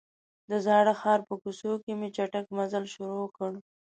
د زاړه ښار په کوڅو کې مې چټک مزل شروع کړ.